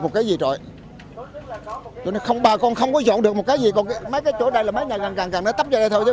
một cái gì trời bà con không có dọn được một cái gì mấy cái chỗ này là mấy nhà càng càng nó tắp ra đây thôi